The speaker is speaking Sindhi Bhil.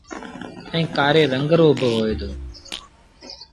ائيٚݩ ڪآري رنگ رو با هوئي دو۔